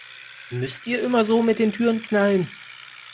Müsst ihr immer so mit den Türen knallen?